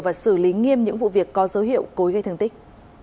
và xử lý nghiêm những vụ việc có dấu hiệu cối gây thương tích